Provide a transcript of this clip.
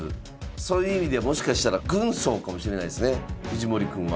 そういう意味でもしかしたら軍曹かもしれないですね藤森くんは。